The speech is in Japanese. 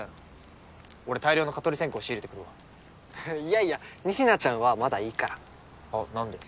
俺大量の蚊取り線香仕入れてくるわいやいや仁科ちゃんはまだいいからなんで？